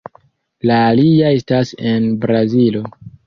La alia estas en Brazilo.